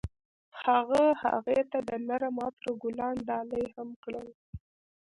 هغه هغې ته د نرم عطر ګلان ډالۍ هم کړل.